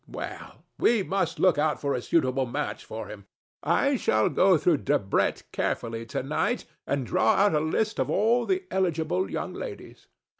"Well, we must look out for a suitable match for him. I shall go through Debrett carefully to night and draw out a list of all the eligible young ladies."